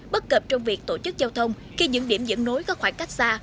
bất cập trong việc tổ chức giao thông khi những điểm dẫn nối có khoảng cách xa